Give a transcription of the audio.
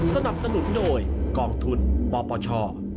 สนับสนุนโดยกองทุนปปช